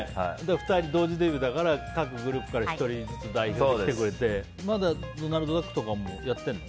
同時デビューだから各グループから１人ずつ代表で来てくれてまだドナルドダックとかもやってるの？